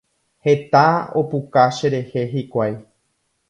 Heta opuka cherehe hikuái.